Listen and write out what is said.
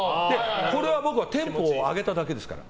これを僕はテンポを上げただけですから。